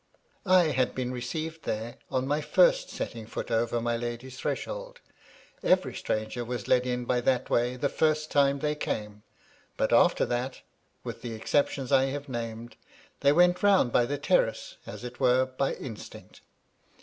I had been received there on my first setting foot over my lady's threshold ; every stranger was led in by that way the first time they came ; but after that (with the exceptions I have MY LADY LUDLOW. 85 named) they went round by the terrace, as it were by instinct.